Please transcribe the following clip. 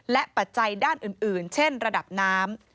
และปัจจัยด้านอื่นเช่นระดับน้ำ